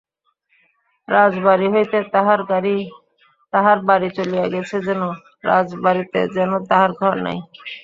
রাজবাড়ি হইতে তাহার বাড়ি চলিয়া গেছে যেন, রাজবাড়িতে যেন তাহার ঘর নাই।